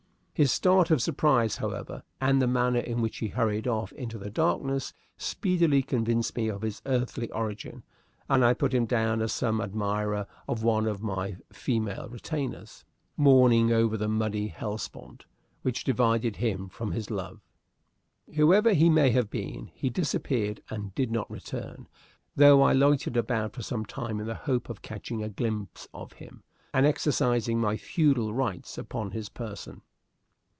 His start of surprise, however, and the manner in which he hurried off into the darkness, speedily convinced me of his earthly origin, and I put him down as some admirer of one of my female retainers mourning over the muddy Hellespont which divided him from his love. Whoever he may have been, he disappeared and did not return, though I loitered about for some time in the hope of catching a glimpse of him and exercising my feudal rights upon his person.